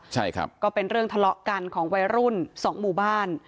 ใช่ครับก็เป็นเรื่องทะเลาะกันของวัยรุ่นสองหมู่บ้าน